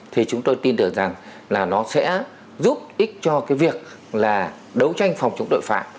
thì chúng tôi tin tưởng rằng là nó sẽ giúp ích cho cái việc là đấu tranh phòng chống tội phạm